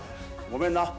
ごめんな。